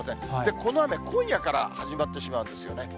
この雨、今夜から始まってしまうんですよね。